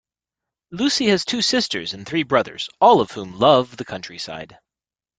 Lucy has two sisters and three brothers, all of whom love the countryside